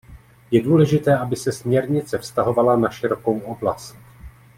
Je důležité, aby se směrnice vztahovala na širokou oblast.